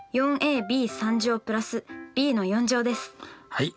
はい。